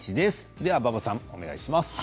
では馬場さん、お願いします。